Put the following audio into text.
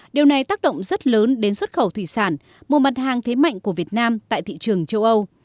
điều này tác động rất lớn đến xuất khẩu thủy sản một mặt hàng thế mạnh của việt nam tại thị trường châu âu